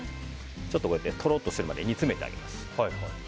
ちょっととろっとするまで煮詰めてあげます。